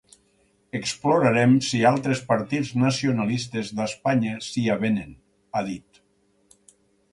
Explorarem si altres partits nacionalistes d’Espanya s’hi avenen, ha dit.